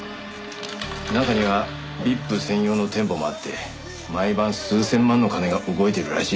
中にはＶＩＰ専用の店舗もあって毎晩数千万の金が動いているらしい。